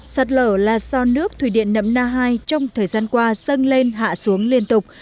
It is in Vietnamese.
sạt lở là do nước thủy điện nậm na hai trong thời gian qua dâng lên hạ xuống liên tục